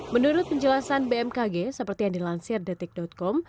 menurut penjelasan bmkg seperti yang dilansir detik com